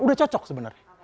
udah cocok sebenarnya